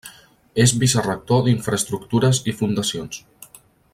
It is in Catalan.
És vicerector d’Infraestructures i Fundacions.